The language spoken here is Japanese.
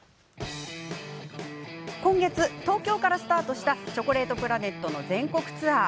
今月、東京からスタートしたチョコレートプラネットの全国ツアー。